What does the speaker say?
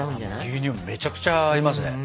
牛乳めっちゃくちゃ合いますね。